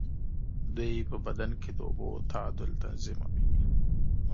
دوی په بدن کې د اوبو تعادل تنظیموي.